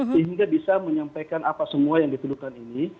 sehingga bisa menyampaikan apa semua yang dituduhkan ini